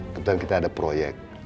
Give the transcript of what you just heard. tentang kita ada proyek